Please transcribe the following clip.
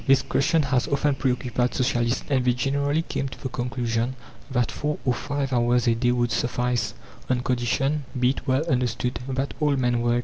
This question has often preoccupied Socialists, and they generally came to the conclusion that four or five hours a day would suffice, on condition, be it well understood, that all men work.